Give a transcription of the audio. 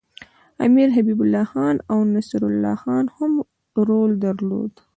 امیر حبیب الله خان او نصرالله خان هم رول درلود.